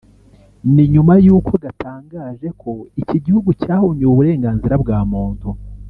ni nyuma yuko gatangaje ko iki gihugu cyahonyoye uburenganzira bwa muntu